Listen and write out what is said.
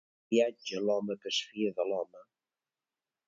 Malviatge l'home que es fia de l'home!